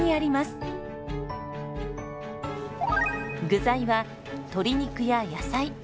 具材は鶏肉や野菜。